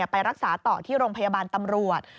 ไปรักษาต่อที่โรงพยาบาลตำรวจ